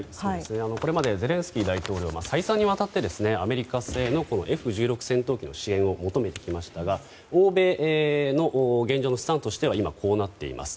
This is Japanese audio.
これまでゼレンスキー大統領は再三にわたってアメリカ製のＦ１６戦闘機の支援を求めていましたが欧米の現状のスタンスとしてはこうなっています。